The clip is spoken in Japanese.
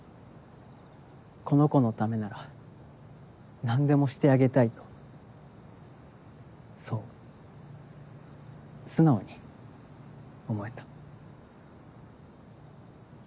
この子のためなら何でもしてあげたいとそう素直に思えた。